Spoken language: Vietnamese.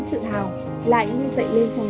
tự hào lại ngư dậy lên trong